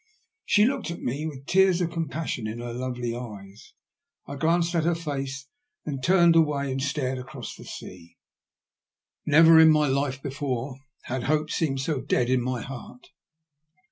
She looked at me with tears of compassion in her lovely eyes. I glanced at her face and then turned away and stared across the sea. Never in my life before had hope seemed so dead in my heart.